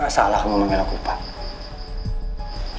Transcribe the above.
salah kamu memanggil aku pak